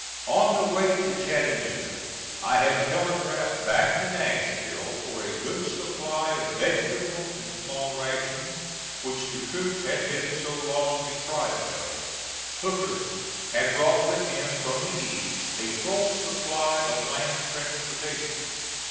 On the way to Chattanooga I had telegraphed back to Nashville for a good supply of vegetables and small rations, which the troops had been so long deprived of. Hooker had brought with him from the east a full supply of land transportation.